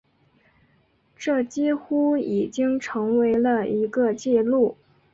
这几乎已经成为了一个记录。